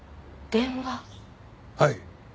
はい。